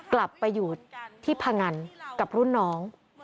กลับไปอยู่ที่พงันกับรุ่นน้อง